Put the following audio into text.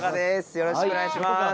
よろしくお願いします。